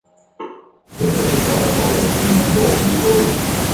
The British water polo team won gold easily.